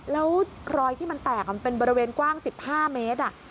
แล้วรอยที่มันแตกมันเป็นบริเวณกว้าง๑๕เมตร